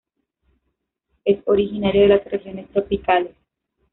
Es originario de las regiones tropicales.